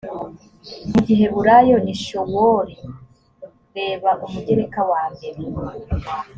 mu giheburayo ni shewoli reba umugereka wa mbere